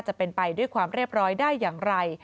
จะเป็นไปด้วยความเรียบร้อยได้อย่างไร